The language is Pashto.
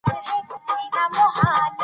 آب وهوا د افغانستان د اقتصاد برخه ده.